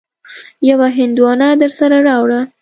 يوه هندواڼه درسره راوړه.